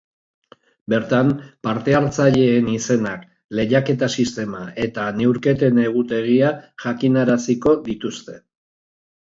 Bertan parte-hartzaileen izenak, lehiaketa sistema eta neurketen egutegia jakinaraziko dituzte.